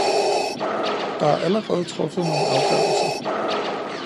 Der er allerede truffet nogle afgørelser.